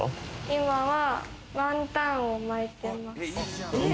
今はワンタンを巻いてます。